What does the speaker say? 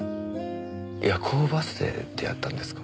夜行バスで出会ったんですか？